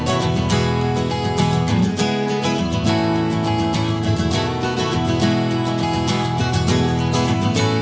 ayam betutu papilio